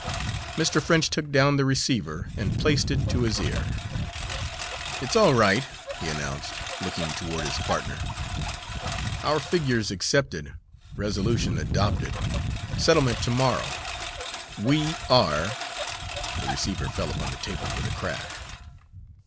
Mr. French took down the receiver and placed it to his ear. "It's all right," he announced, looking toward his partner. "Our figures accepted resolution adopted settlement to morrow. We are " The receiver fell upon the table with a crash. Mr.